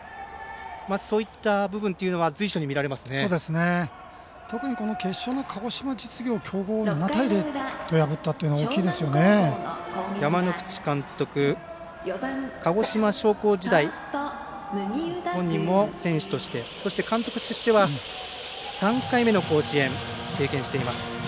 そういった部分というのは特に決勝の鹿児島実業強豪を７対０と破ったというのは山之口監督鹿児島商工時代本人も選手としてそして監督としては３回目の甲子園を経験しています。